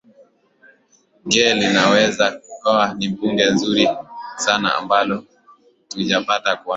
ge linawezakawa ni bunge nzuri sana ambalo hatujapata kwa